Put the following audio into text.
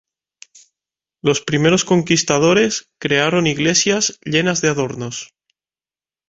Los primeros conquistadores crearon iglesias llenas de adornos.